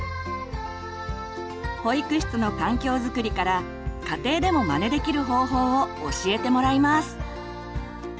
保育室の環境づくりから家庭でもまねできる方法を教えてもらいます。